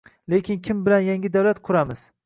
➡️Lekin kim bilan yangi davlat quramiz?